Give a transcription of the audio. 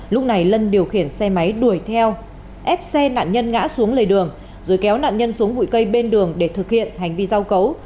lúc này lân điều khiển xe máy đuổi theo ép xe nạn nhân ngã xuống lề đường rồi kéo nạn nhân xuống bụi cây bên đường để thực hiện hành vi giao cấu